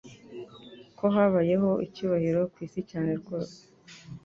Ko habayeho icyubahiro ku isi cyane rwose